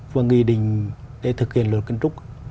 và nghị định để thực hiện luật kiến trúc